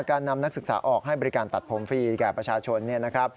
การนำนักศึกษาออกให้บริการตัดผมฟรีกับประชาชน